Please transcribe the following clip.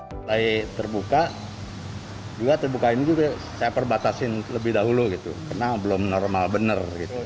mulai terbuka juga terbuka ini juga saya perbatasin lebih dahulu gitu karena belum normal benar